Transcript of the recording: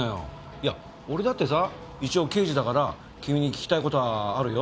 いや俺だってさ一応刑事だから君に聞きたい事はあるよ。